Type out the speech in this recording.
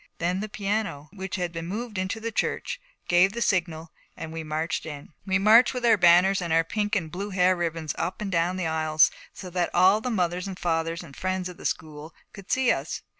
Then the piano, which had been moved into the church, gave the signal and we marched in. We marched with our banners and our pink and blue hair ribbons up and down the aisles so that all the Mothers and Fathers and Friends of the School could see us.